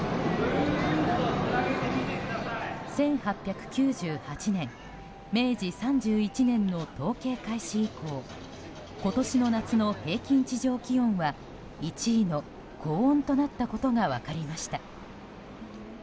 １８９８年、明治３１年の統計開始以降今年の夏の平均地上気温は１位の高温となったことが分かりました。